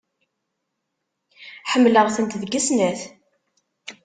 Ḥemmleɣ-tent deg snat.